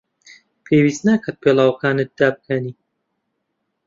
پێویست ناکات پێڵاوەکانت دابکەنی.